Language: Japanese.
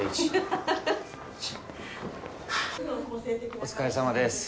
お疲れさまです。